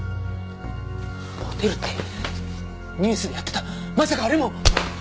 ホテルってニュースでやってたまさかあれも！？